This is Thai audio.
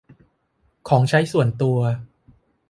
ของใช้ส่วนตัว